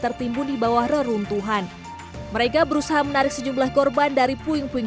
tertimbun di bawah reruntuhan mereka berusaha menarik sejumlah korban dari puing puing